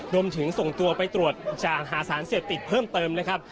รวมถึงส่งตัวไปตรวจจากหาสารเสียบติดเพิ่มเติมนะครับ